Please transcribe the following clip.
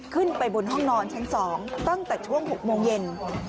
ขึ้นไปบนห้องนอนชั้น๒ตั้งแต่ช่วง๖โมงเย็น